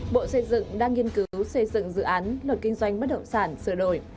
bộ xây dựng đang nghiên cứu xây dựng dự án luật kinh doanh bất động sản sửa đổi